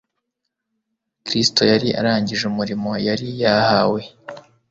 Kristo yari arangije umurimo yari yahawe.